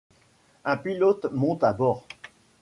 Un pilote monte à bord.